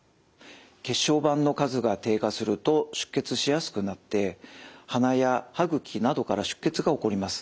血小板の数が低下すると出血しやすくなって鼻や歯ぐきなどから出血が起こります。